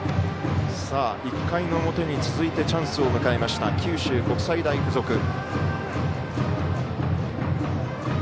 １回の表に続いてチャンスを迎えました九州国際大付属。